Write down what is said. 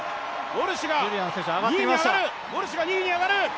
ウォルシュが２位に上がる！